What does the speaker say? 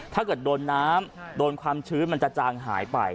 ถ้าเกิดโดนน้ำโดนความชื้นมันจะจางหายไป